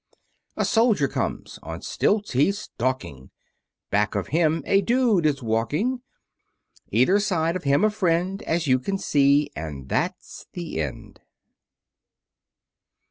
A Soldier comes! On stilts he's stalking! Back of him a Dude is walking, Either side of him a friend As you can see; AND THAT'S THE END!